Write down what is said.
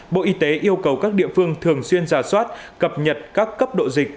bộ y tế yêu cầu các địa phương thường xuyên giả soát cập nhật các cấp độ dịch